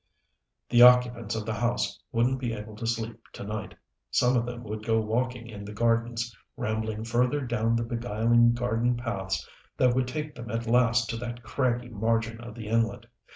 The occupants of the house wouldn't be able to sleep to night. Some of them would go walking in the gardens, rambling further down the beguiling garden paths that would take them at last to that craggy margin of the inlet.